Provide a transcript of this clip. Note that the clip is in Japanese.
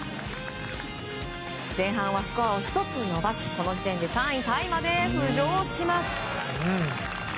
前半はスコアを１つ伸ばしこの時点で３位タイまで浮上します。